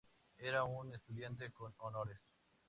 Era un estudiante con honores.